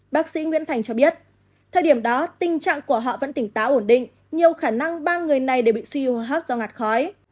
bác sĩ nguyễn thành cho biết thời điểm đó tình trạng của họ vẫn tỉnh táo ổn định nhiều khả năng ba người này đều bị suy hô hấp do ngạt khói